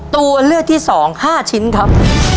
ตัวเลือกที่๒๕ชิ้นครับ